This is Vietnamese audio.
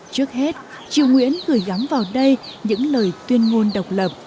trước hết triều nguyễn gửi gắm vào đây những lời tuyên ngôn độc lập